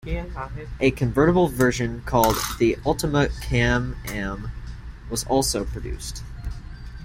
A convertible version called the Ultima Can-Am was also produced.